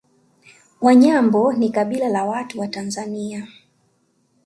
Wanyambo ni kabila la watu wa Tanzania